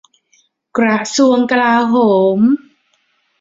กระทรวงกลาโหม